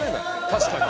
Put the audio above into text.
確かに。